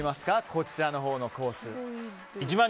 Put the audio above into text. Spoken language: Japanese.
こちらのほうのコース。